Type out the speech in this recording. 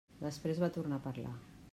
Després va tornar a parlar.